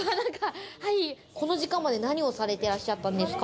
この時間まで何をされてらっしゃったんですか？